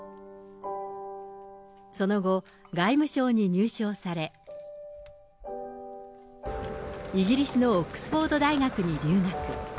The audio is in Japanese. その後、外務省に入省され、イギリスのオックスフォード大学に留学。